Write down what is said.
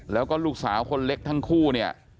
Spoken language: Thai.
แล้วก็ลูกสาวคนเล็กทั้งคู่เนี่ย